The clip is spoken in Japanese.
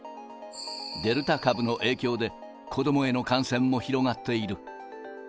デルタ株の影響で子どもへの感染も広がっている。